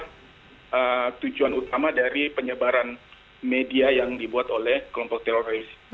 ini adalah tujuan utama dari penyebaran media yang dibuat oleh kelompok teroris